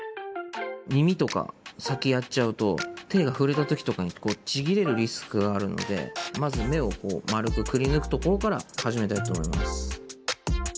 耳とか先やっちゃうと手が触れた時とかにちぎれるリスクがあるのでまず目をまるくくりぬくところから始めたいと思います。